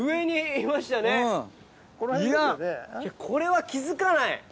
これは気付かない！